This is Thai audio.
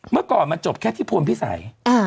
เมื่อก่อนมันจบแค่ที่พลพิสัย